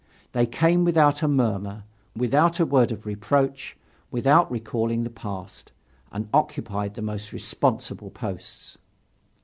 They came without a murmur, without a word of reproach, without recalling the past, and occupied the most responsible posts.